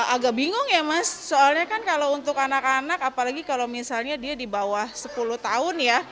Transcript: agak bingung ya mas soalnya kan kalau untuk anak anak apalagi kalau misalnya dia di bawah sepuluh tahun ya